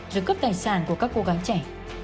rồi cướp tài sản của các cô gái trẻ